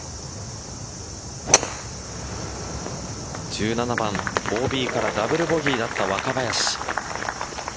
１７番、ＯＢからダブルボギーだった若林。